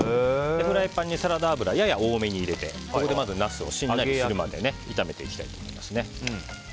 フライパンにサラダ油をやや多めに入れてナスをしんなりするまで炒めていきたいと思います。